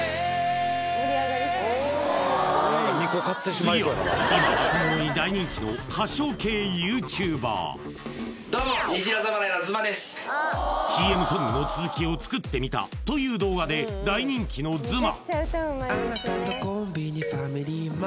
次は今若者に大人気のどうも虹色侍のずまです「ＣＭソングの続きを作ってみた」という動画で大人気のずま